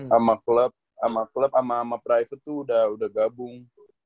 sama club sama club sama sama private tuh udah gabung